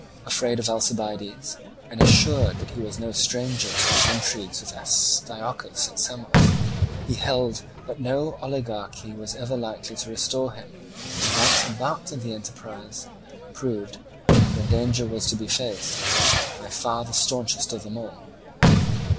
Afraid of Alcibiades, and assured that he was no stranger to his intrigues with Astyochus at Samos, he held that no oligarchy was ever likely to restore him, and once embarked in the enterprise, proved, where danger was to be faced, by far the staunchest of them all.